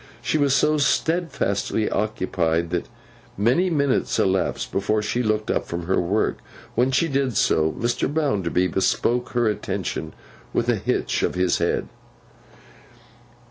She was so steadfastly occupied, that many minutes elapsed before she looked up from her work; when she did so Mr. Bounderby bespoke her attention with a hitch of his head.